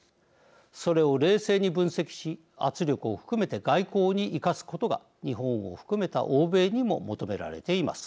それを冷静に分析し圧力を含めて外交に生かすことが日本を含めた欧米にも求められています。